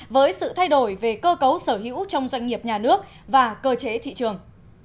với sự thay đổi về cơ cấu sở hữu trong doanh nghiệp nhà nước và cơ chế thị trường